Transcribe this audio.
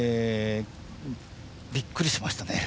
びっくりしましたね。